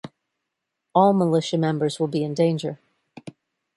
All militia members will be in danger.